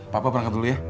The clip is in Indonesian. papa perangkat dulu ya